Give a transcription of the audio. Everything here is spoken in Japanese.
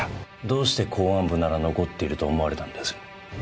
どうして公安部なら残っていると思われたのです？